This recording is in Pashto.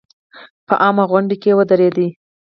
په عامه غونډه کې ودرېد.